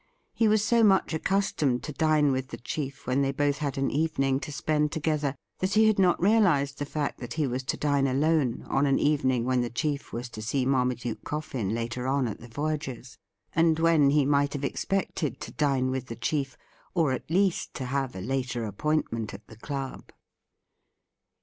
He was so much accustomed to dine with the chief when they both had an evening to spend together, that he had not realized the fact that he was to dine alone on an evening when the chief was to see Marmaduke Coffin later on at the Voyagers', and when he might have expected to dine with the chief, or, at least, to have a later appointment at the club.